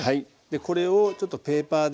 これをちょっとペーパーで。